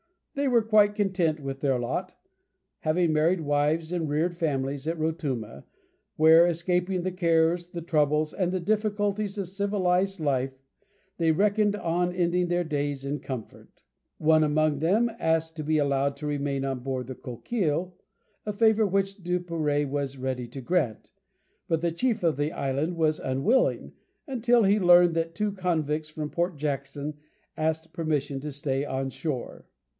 They were quite content with their lot, having married wives and reared families at Rotuma, where, escaping the cares, the troubles, and the difficulties of civilized life, they reckoned on ending their days in comfort. One among them asked to be allowed to remain on board the Coquille, a favour which Duperrey was ready to grant, but the chief of the island was unwilling, until he learned that two convicts from Port Jackson asked permission to stay on shore.